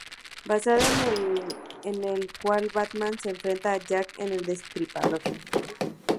Basada en el en el cual Batman se enfrenta a Jack el Destripador.